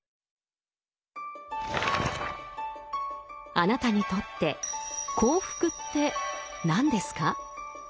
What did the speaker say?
あなたにとって幸福って何ですか？